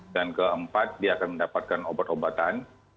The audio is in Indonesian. dan keempat dia akan mendapatkan obat obatan